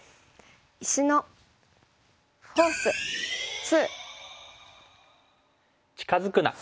「石のフォース２」。